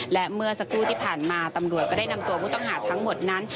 และเมื่อสักครู่ที่ผ่านมาตำรวจก็ได้นำตัวผู้ต้องหาทั้งหมดนั้น